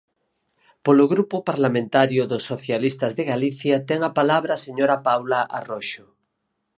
Polo Grupo Parlamentario dos Socialistas de Galicia, ten a palabra a señora Paulo Arroxo.